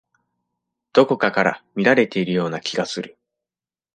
どこかから見られているような気がする。